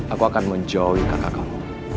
aku akan menjauhi kakak kamu